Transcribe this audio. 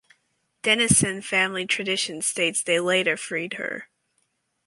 Denison family tradition states they later freed her.